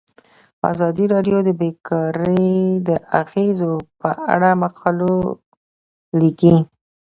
ازادي راډیو د بیکاري د اغیزو په اړه مقالو لیکلي.